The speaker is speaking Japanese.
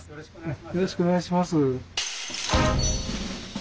よろしくお願いします。